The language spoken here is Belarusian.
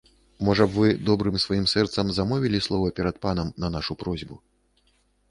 Можа б вы добрым сваім сэрцам замовілі слова перад панам на нашу просьбу.